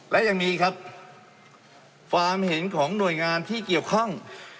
และยังมีครับความเห็นของหน่วยงานที่เกี่ยวข้อง